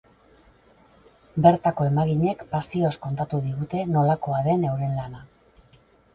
Bertako emaginek pasioz kontatu digute nolakoa den euren lana.